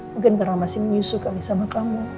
mungkin karena masih menyusul sama kamu